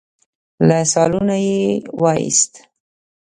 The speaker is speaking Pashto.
له سالونه يې وايست.